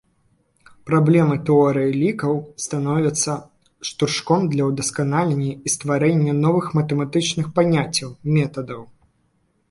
Праблемы тэорыі лікаў становяцца штуршком да ўдасканалення і стварэння новых матэматычных паняццяў, метадаў.